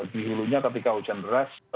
dihulunya ketika hujan beras